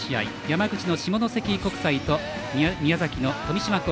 山口の下関国際と宮崎の富島。